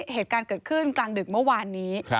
เหตุการณ์เกิดขึ้นกลางดึกเมื่อวานนี้